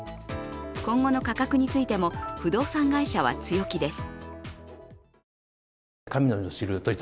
今後の価格についても不動産会社は強気です。